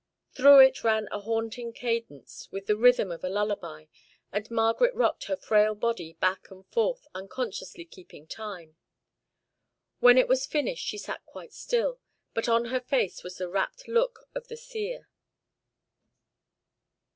Through it ran a haunting cadence, with the rhythm of a lullaby, and Margaret rocked her frail body back and forth, unconsciously keeping time. When it was finished, she sat quite still, but on her face was the rapt look of the seer.